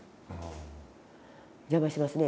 邪魔しますね。